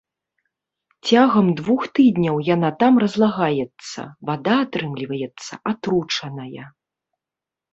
Цягам двух тыдняў яна там разлагаецца, вада атрымліваецца атручаная.